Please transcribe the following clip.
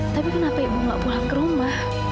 tapi kenapa ibu gak pulang ke rumah